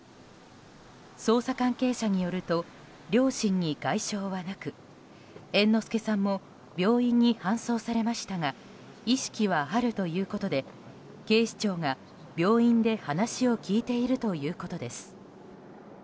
捜査関係者によると両親に外傷はなく猿之助さんも病院に搬送されましたが意識はあるということで警視庁が病院で話を聞いているということです。